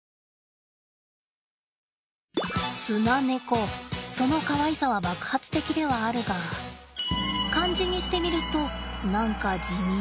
スナネコそのかわいさは爆発的ではあるが漢字にしてみると何か地味。